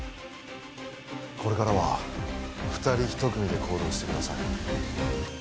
これからは２人１組で行動してください